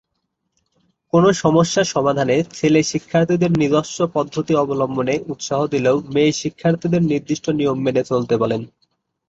কোন সমস্যা সমাধানে ছেলে শিক্ষার্থীদের নিজস্ব পদ্ধতি অবলম্বনে উৎসাহ দিলেও মেয়ে শিক্ষার্থীদের নির্দিষ্ট নিয়ম মেনে চলতে বলেন।